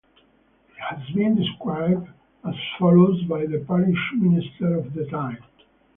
It has been described as follows by the parish minister of the time.